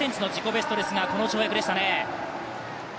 ベストでしたが、この跳躍でしたね。